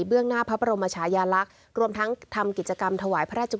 เบื้องหน้าพระปรมชายาลักษมณ์ร่วมทั้งทำคริจกรรมถวาย